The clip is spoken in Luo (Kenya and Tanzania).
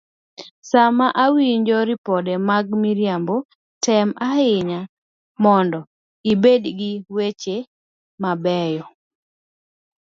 Sama iwinjo ripode mag miriambo, tem ahinya mondo ibed gi weche mabeyo